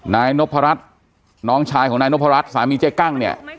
นายนพรัชน้องชายของนายนพรัชสามีเจ๊กั้งเนี่ย